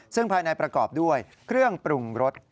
ซึ่งภายในประกอบด้วยเครื่องปรุงรส